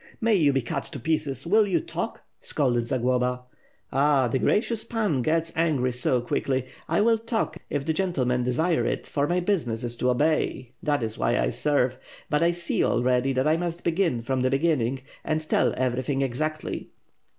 "May you be cut to pieces! Will you talk!" scolded Za globa. "Ah, the gracious Pan gets angry so quickly. I will talk if the gentlemen desire it, for my business is to obey; that is why I serve. But I see, already, that I must begin from the beginning and tell everything exactly."